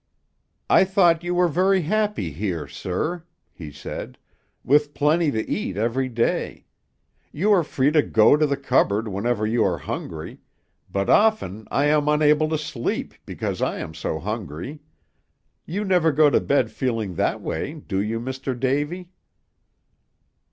"I thought you were very happy here, sir," he said, "with plenty to eat every day. You are free to go to the cupboard whenever you are hungry, but often I am unable to sleep because I am so hungry. You never go to bed feeling that way, do you, Mr. Davy?"